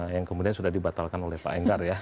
yang kemudian sudah dibatalkan oleh pak enggar ya